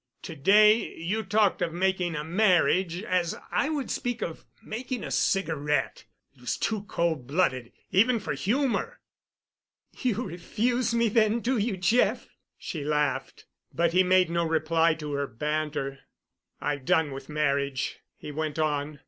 To day you talked of making a marriage as I would speak of making a cigarette. It was too cold blooded even for humour——" "You refuse me then, do you, Jeff?" she laughed. But he made no reply to her banter. "I've done with marriage," he went on.